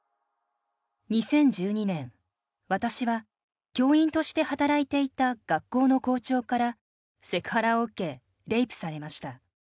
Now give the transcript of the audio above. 「２０１２年私は教員として働いていた学校の校長からセクハラを受けレイプされました。